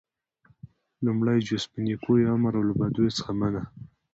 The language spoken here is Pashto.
لومړی جز - په نيکيو امر او له بديو څخه منع: